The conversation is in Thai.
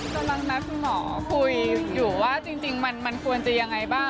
กำลังนัดคุณหมอคุยอยู่ว่าจริงมันควรจะยังไงบ้าง